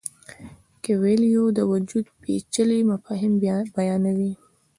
کویلیو د وجود پیچلي مفاهیم بیانوي.